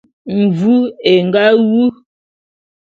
Mvu é nga wu.